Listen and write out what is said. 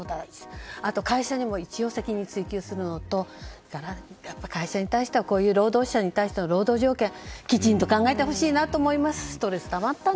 あと、会社にも一応責任を追及するのとそれからやっぱり会社に対してはこういう労働者に対しての労働条件はきちんと考えてほしいと思います。